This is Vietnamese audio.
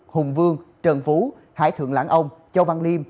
hùng vương trần phú hải thượng lãng ông châu văn liêm